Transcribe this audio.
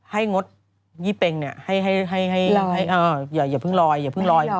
ให้งดยี่เป็งให้อย่าเพิ่งลอย